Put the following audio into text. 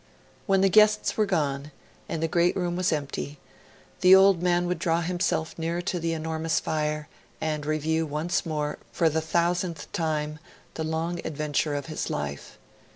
When the guests were gone, and the great room was empty, the old man would draw himself nearer to the enormous fire, and review once more, for the thousandth time, the long adventure of his life.